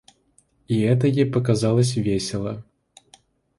И это ей показалось весело.